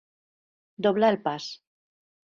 Doblar el pas.